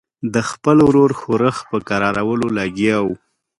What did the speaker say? د خپل ورور ښورښ په کرارولو لګیا وو.